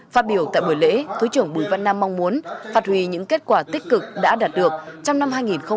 phát biểu tại buổi lễ thứ trưởng bùi văn nam mong muốn phát huy những kết quả tích cực đã đạt được trong năm hai nghìn hai mươi